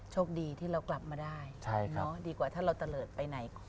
โชคดีที่เรากลับมาได้ดีกว่าถ้าเราตะเลิศไปไหน